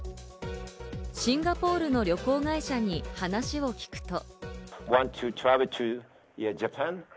シンガポールの旅行会社に話を聞くと。